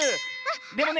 でもね